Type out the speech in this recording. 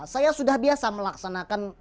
saya sudah biasa melaksanakan